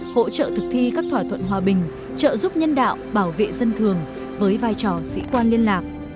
hỗ trợ thực thi các thỏa thuận hòa bình trợ giúp nhân đạo bảo vệ dân thường với vai trò sĩ quan liên lạc